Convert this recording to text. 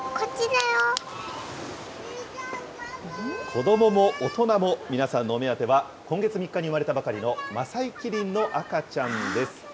子どもも大人も、皆さんのお目当ては、今月３日に産まれたばかりのマサイキリンの赤ちゃんです。